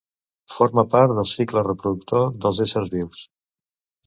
Forma part del cicle reproductor dels éssers vius.